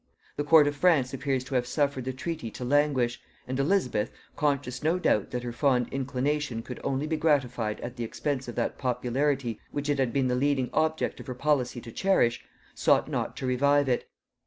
The court of France appears to have suffered the treaty to languish, and Elizabeth, conscious no doubt that her fond inclination could only be gratified at the expense of that popularity which it had been the leading object of her policy to cherish, sought not to revive it.